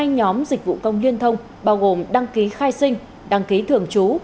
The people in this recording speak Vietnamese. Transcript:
hai nhóm dịch vụ công liên thông bao gồm đăng ký khai sinh đăng ký thường trú